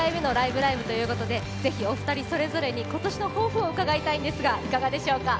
ライブ！」ということで、ぜひお二人それぞれに今年の抱負を伺いたいんですが、いかがでしょうか。